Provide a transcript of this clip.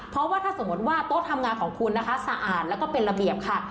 เพราะว่าถ้าสมมติว่าโต๊ะทำงานของคุณนะคะสะอาดแล้วก็เป็นระเบียบค่ะ